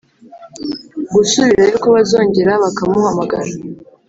gusubirayo ko bazongera bakamuhamagara